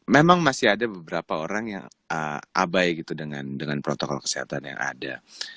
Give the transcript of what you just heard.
memang masih ada beberapa orang yang abai gitu dengan protokol kesehatan yang ada